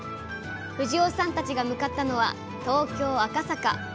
藤尾さんたちが向かったのは東京赤坂。